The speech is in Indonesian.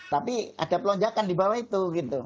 tapi ada pelonjakan di bawah itu gitu